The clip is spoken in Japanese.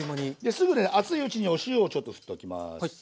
すぐね熱いうちにお塩をちょっと振っときます。